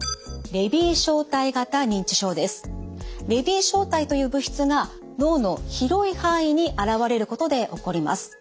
レビー小体という物質が脳の広い範囲に現れることで起こります。